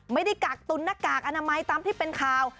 ไม่ได้กากตุ้นนักกากอนามัยตามที่เป็นข่าว